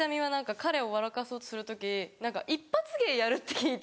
彼を笑かそうとする時何か一発芸やるって聞いて。